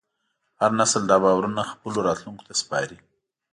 هر نسل دا باورونه خپلو راتلونکو ته سپاري.